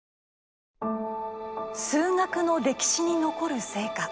「数学の歴史に残る成果。